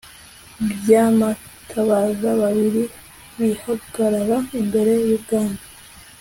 by amatabaza bibiri bihagarara imbere y Umwami